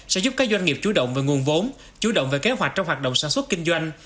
sẽ giúp các doanh nghiệp chú động về nguồn vốn chú động về kế hoạch trong hoạt động sản xuất kinh doanh